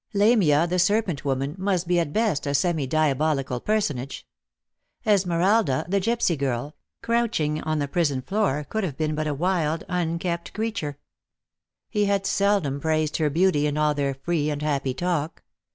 Lamia, the serpent woman, must be at best a semi diabolical personage. Esmeralda, the gipsy girl, crouching on the prison floor, could have been but a wild unkempt creature. He had seldom praised her beauty in all their free and happy talk.